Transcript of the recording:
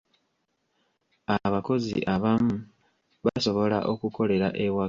Abakozi abamu basobola okukolera ewaka.